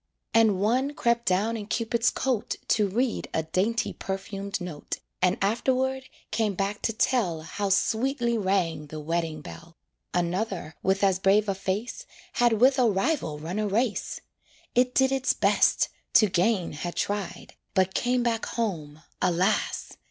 And one crept down in Cupid's coat To read a dainty perfumed note, And afterward came back to tell How sweetly rang the wedding bell. Another, with as brave a face, Had with a rival run a race; It did its best, to gain had tried, But came back home, alas!